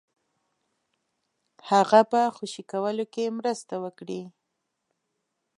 هغه په خوشي کولو کې مرسته وکړي.